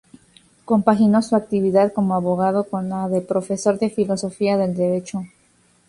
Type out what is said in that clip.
Compaginó su actividad como abogado con la de profesor de Filosofía del Derecho.